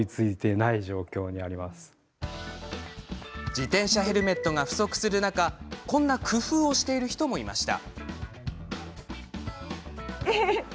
自転車ヘルメットが不足する中こんな工夫をしている人もいました。